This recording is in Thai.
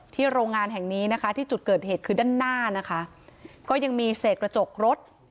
โรงงานแห่งนี้นะคะที่จุดเกิดเหตุคือด้านหน้านะคะก็ยังมีเศษกระจกรถ